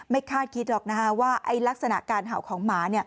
ไม่คาดคิดหรอกนะฮะว่ารักษณะการเห่าของหมา